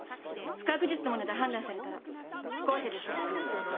不確実なもので判断されたら不公平でしょう？